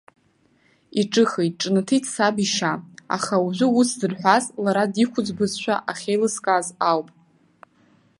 Иҿыхеит, ҿнаҭит саб ишьа, аха уажәы ус сзырҳәаз, лара диқәӡбуазшәа ахьеилыскааз ауп.